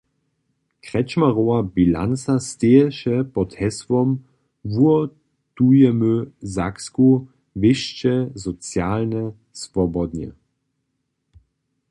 Kretschmerowa bilanca steješe pod hesłom "Wuhotujemy Saksku – wěsće, socialnje, swobodnje".